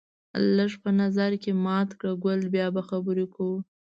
لږ په نظر کې مات کړه ګل بیا به خبرې کوو